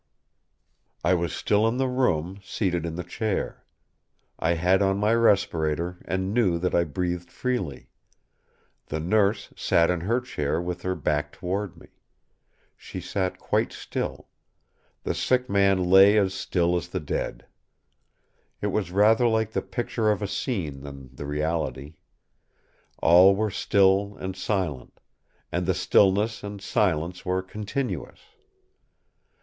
I was still in the room, seated in the chair. I had on my respirator and knew that I breathed freely. The Nurse sat in her chair with her back toward me. She sat quite still. The sick man lay as still as the dead. It was rather like the picture of a scene than the reality; all were still and silent; and the stillness and silence were continuous.